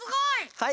はい。